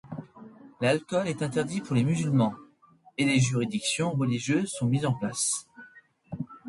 L'alcool est interdit pour les musulmans et des juridictions religieuses sont mises en place.